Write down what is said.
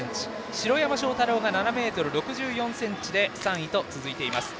城山正太郎が７ｍ６４ｃｍで３位と続いています。